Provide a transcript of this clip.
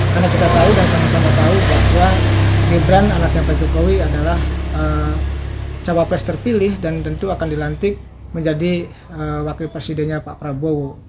karena kita tahu dan sama sama tahu bahwa gibran anaknya pak jokowi adalah cawapres terpilih dan tentu akan dilantik menjadi wakil presidennya pak prabowo